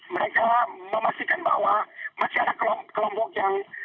mereka memastikan bahwa masih ada kelompok yang